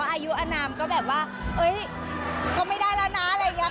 อายุอนามก็แบบว่าก็ไม่ได้แล้วนะอะไรอย่างนี้